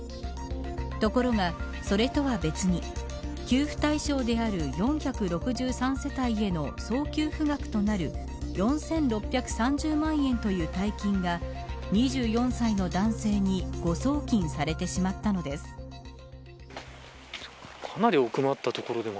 ところが、それとは別に給付対象である４６３世帯への総給付額となる４６３０万円という大金が２４歳の男性にかなり奥まった所で